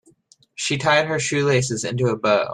She tied her shoelaces into a bow.